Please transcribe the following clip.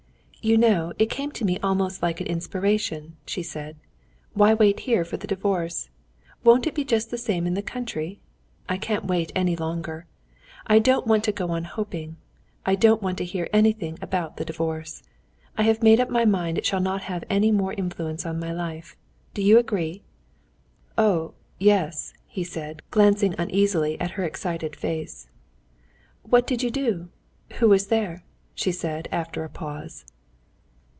"You know it came to me almost like an inspiration," she said. "Why wait here for the divorce? Won't it be just the same in the country? I can't wait any longer! I don't want to go on hoping, I don't want to hear anything about the divorce. I have made up my mind it shall not have any more influence on my life. Do you agree?" "Oh, yes!" he said, glancing uneasily at her excited face. "What did you do? Who was there?" she said, after a pause.